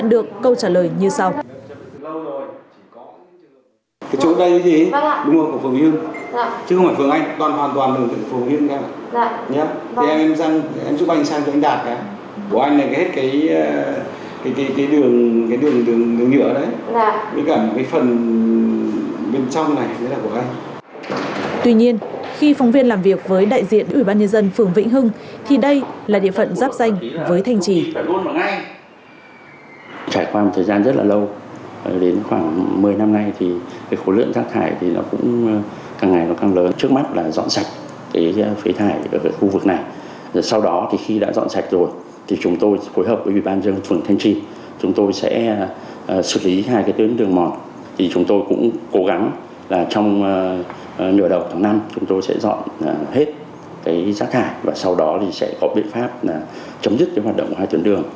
tuy nhiên khi phóng viên làm việc với đại diện ủy ban nhân dân phường vĩnh hưng thì đây là địa phận giáp danh với thanh trị